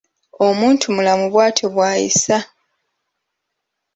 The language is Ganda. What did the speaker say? Omuntumulamu bwatyo bw’ayisa.